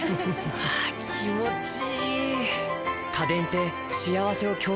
あ気持ちいい！